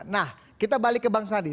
nah kita balik ke bang sandi